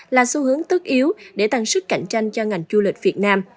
là xu hướng tức yếu để tăng sức cạnh tranh cho ngành du lịch việt nam